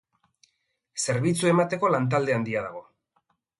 Zerbitzua emateko lan talde handia dago.